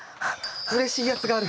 うれしいやつがある。